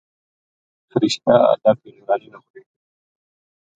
فرشتہ اللہ کی نورانی مخلوق ہیں۔